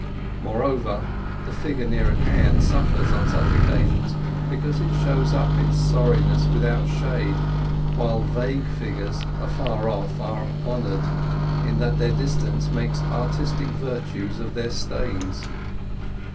Moreover, the figure near at hand suffers on such occasion, because it shows up its sorriness without shade; while vague figures afar off are honoured, in that their distance makes artistic virtues of their stains.